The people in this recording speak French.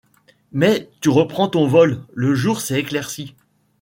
Mais tu reprends ton vol, le jour s’est éclairci